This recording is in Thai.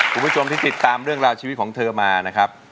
คุณผู้ชมที่ติดตามเรื่องราวชีวิตของเธอมานะครับ